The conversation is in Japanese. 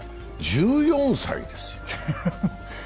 １４歳ですよ。